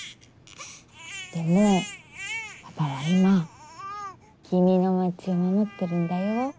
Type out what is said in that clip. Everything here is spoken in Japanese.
でもパパは今君の町を守ってるんだよ。